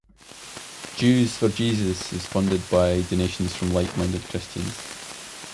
Jews for Jesus is funded by donations from like-minded Christians.